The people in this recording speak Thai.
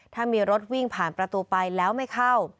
ถ้ามีรถวิ่งผ่านประตูไปแล้วไม่เข้า